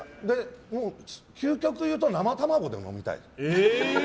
もう究極言うと生卵で飲みたい。